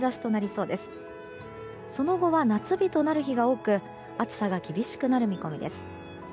その後は夏日となる日が多く暑さが厳しくなる見込みです。